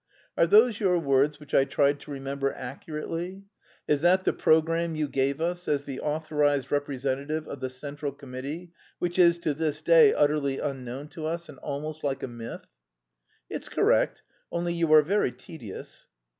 Are those your words which I tried to remember accurately? Is that the programme you gave us as the authorised representative of the central committee, which is to this day utterly unknown to us and almost like a myth?" "It's correct, only you are very tedious."